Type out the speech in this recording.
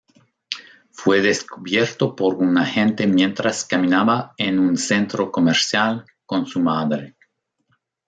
Fue descubierto por un agente mientras caminaba en un centro comercial con su madre.